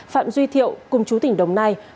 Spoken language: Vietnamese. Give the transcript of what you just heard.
phạm duy thiệu cùng chú tỉnh đồng nai